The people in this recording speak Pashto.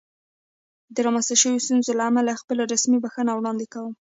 د رامنځته شوې ستونزې له امله خپله رسمي بښنه وړاندې کوم.